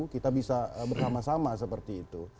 kita bisa bersama sama seperti itu